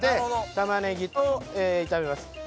タマネギと炒めます。